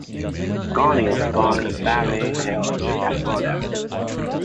Gorney was born in Beverly Hills, California.